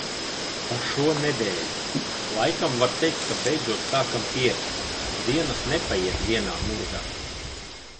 Par šo nedēļu. Laikam var teikt, ka beidzot sākam pierast. Dienas nepaiet vienā murgā.